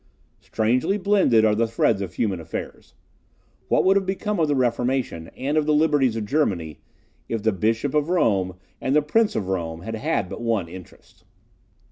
Strangely blended are the threads of human affairs! What would have become of the Reformation, and of the liberties of Germany, if the Bishop of Rome and the Prince of Rome had had but one interest?